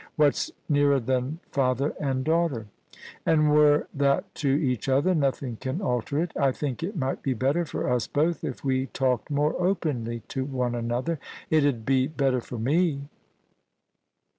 What's nearer than father and daughter ? And we're that to each other ; nothing can alter it I think it might be better for us both if we talked more openly to one another ; it 'ud be better for me.